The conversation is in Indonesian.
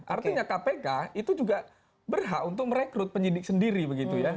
artinya kpk itu juga berhak untuk merekrut penyidik sendiri begitu ya